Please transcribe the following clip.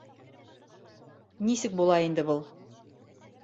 Нисек була инде был?